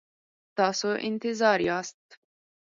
تاسو انتظار یاست؟